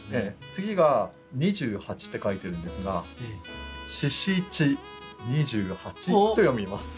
次が「二十八」って書いてるんですが「４×７＝２８」と読みます。